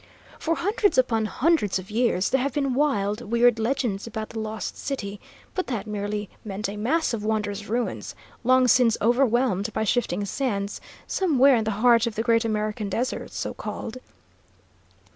"For hundreds upon hundreds of years there have been wild, weird legends about the Lost City, but that merely meant a mass of wondrous ruins, long since overwhelmed by shifting sands, somewhere in the heart of the great American desert, so called.